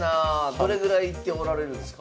どれぐらい行っておられるんすか？